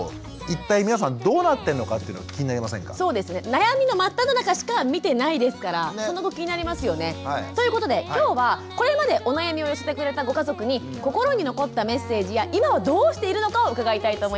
悩みの真っただ中しか見てないですからその後気になりますよね。ということで今日はこれまでお悩みを寄せてくれたご家族に心に残ったメッセージや今はどうしているのかを伺いたいと思います。